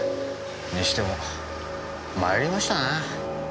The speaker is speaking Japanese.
にしても参りましたな。